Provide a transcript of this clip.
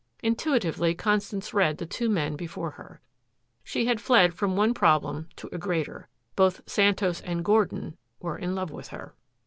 Intuitively Constance read the two men before her. She had fled from one problem to a greater. Both Santos and Gordon were in love with her.